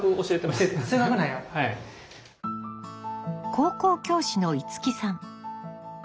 高校教師のいつきさん。